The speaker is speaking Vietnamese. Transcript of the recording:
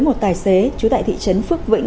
một tài xế trú tại thị trấn phước vĩnh